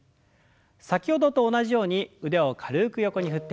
先ほどと同じように腕を軽く横に振って。